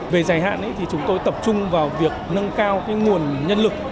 về giải hạn thì chúng tôi tập trung vào việc nâng cao cái nguồn nhân lực